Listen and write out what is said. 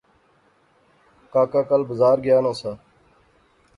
کاکا کل بزار گیا ناں سا